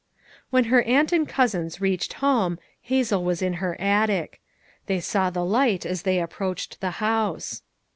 When her aunt and cousins reached home, Hazel was in her attic. They saw the light as they approached the house.